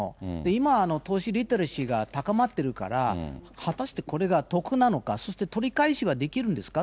今、投資リテラシーが高まってるから、果たしてこれが得なのか、そして取り返しができるんですか？